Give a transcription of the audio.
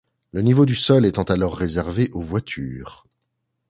Le niveau du sol étant alors réservé aux voitures.